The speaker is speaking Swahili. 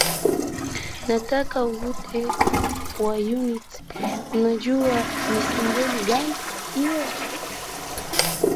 nataka uvote wa unity unajua ni symbol gani hiyo